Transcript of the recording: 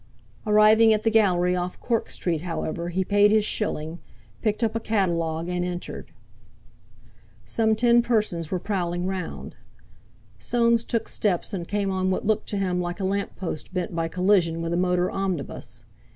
Arriving at the Gallery off Cork Street, however, he paid his shilling, picked up a catalogue, and entered. Some ten persons were prowling round. Soames took steps and came on what looked to him like a lamp post bent by collision with a motor omnibus.